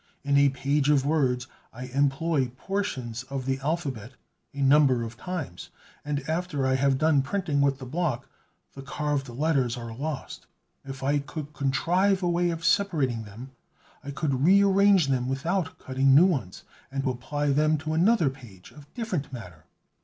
In a page of words I employ portions of the alphabet a number of times; and after I have done printing with the block, the carved letters are lost. If I could contrive a way of separating them, I could rearrange them without cutting new ones, and apply them to another page of different matter.